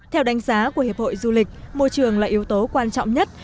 theo đánh giá của hiệp hội du lịch môi trường là yếu tố quan trọng nhất